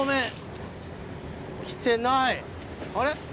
あれ？